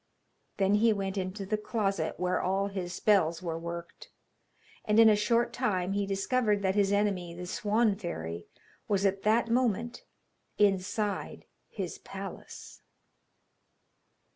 Then he went into the closet where all his spells were worked, and in a short time he discovered that his enemy the Swan fairy was at that moment inside his palace.